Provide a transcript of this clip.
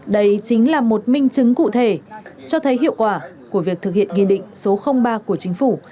đây chính là một minh chứng cụ thể cho thấy hiệu quả của việc thực hiện nghị định số ba của chính phủ